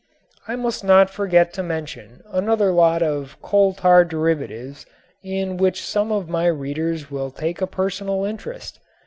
I must not forget to mention another lot of coal tar derivatives in which some of my readers will take a personal interest.